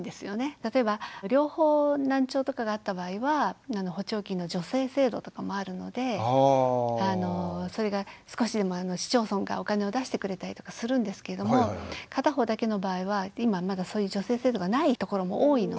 例えば両方難聴とかがあった場合は補聴器の助成制度とかもあるのでそれが少しでも市町村がお金を出してくれたりとかするんですけれども片方だけの場合は今はまだそういう助成制度がないところも多いので。